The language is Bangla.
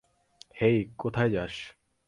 হেই, কোথায় যাস?